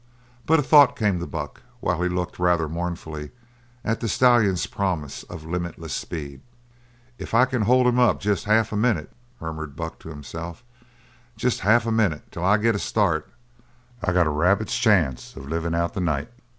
But a thought came to Buck while he looked, rather mournfully, at the stallion's promise of limitless speed. "If I can hold him up jest half a minute," murmured Buck to himself, "jest half a minute till I get a start, I've got a rabbit's chance of livin' out the night!"